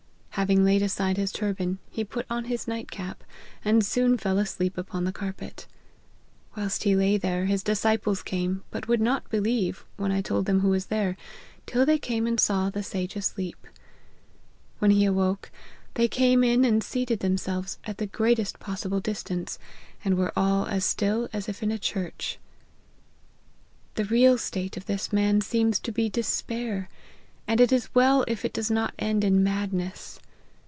Having laid aside his turban, he put on his night cap, and soon fell asleep upon the carpet. Whilst he lay there, his disciples came, but would not believe, when I told them who was there, till they came and saw the sage asleep. When he awoke, they came in and seated them * Omar was the second of the Caliphs, or successors of Mo hammed LIFE OF HENRY MARTYN. 159 selves at the greatest possible distance, and were all as still as if in a church. " The real state of this man seems to be despair, and it is well if it do not end in madness.